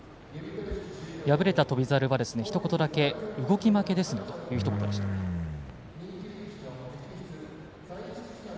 敗れた翔猿はひと言だけ動き負けですねと言っていました。